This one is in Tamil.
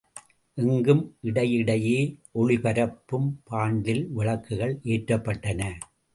எங்கும், இடை இடையே ஒளிபரப்பும் பாண்டில் விளக்குகள் ஏற்றப்பட்டன.